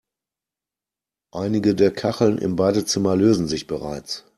Einige der Kacheln im Badezimmer lösen sich bereits.